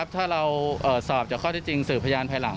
ถ้าเราสอบจากข้อที่จริงสื่อพยานภายหลัง